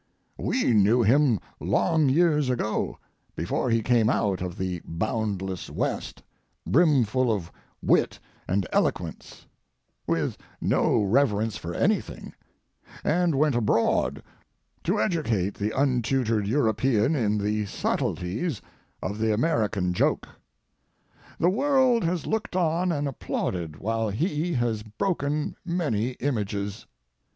We knew him long years ago, before he came out of the boundless West, brimful of wit and eloquence, with no reverence for anything, and went abroad to educate the untutored European in the subtleties of the American joke. The world has looked on and applauded while he has broken many images.